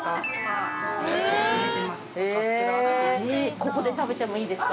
◆ここで食べてもいいですか。